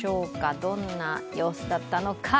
どんな様子だったのか。